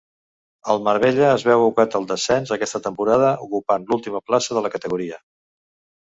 El Marbella es veu abocat al descens aquesta temporada ocupant l'última plaça de la categoria.